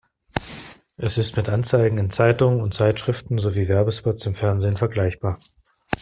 Es ist mit Anzeigen in Zeitungen und Zeitschriften sowie Werbespots im Fernsehen vergleichbar.